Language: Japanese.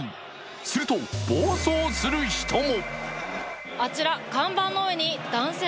すると、暴走する人も。